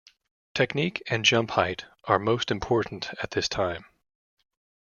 Technique and jump height are most important at this time.